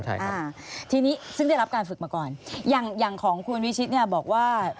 ใช่อ่าทีนี้ซึ่งได้รับการฝึกมาก่อนอย่างอย่างของคุณวิชิตเนี่ยบอกว่า